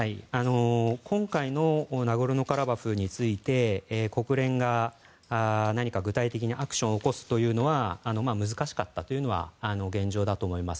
今回のナゴルノカラバフについて国連が何か具体的なアクションを起こすというのは難しかったというのが現状だと思います。